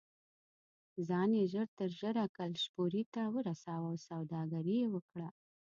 ځان یې ژر تر ژره کلشپورې ته ورساوه او سوداګري یې وکړه.